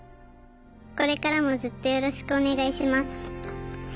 これからもずっとよろしくお願いします」。